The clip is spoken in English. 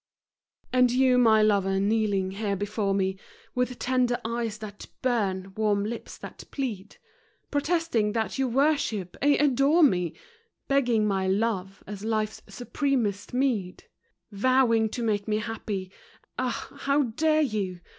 And you, my lover, kneeling here before me With tender eyes that burn, warm lips that plead, Protesting that you worship, aye, adore me; Begging my love as life's supremest meed, Vowing to make me happy. Ah, how dare you!